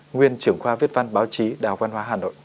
nguyên trưởng khoa viết văn báo chí đào văn hóa hà nội